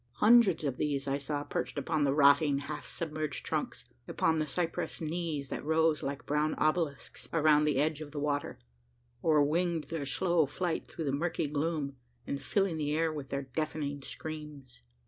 Hundreds of these I saw perched upon the rotting half submerged trunks upon the cypress "knees" that rose like brown obelisks around the edge of the water; or winged their slow flight through the murky gloom, and filling the air with their deafening screams.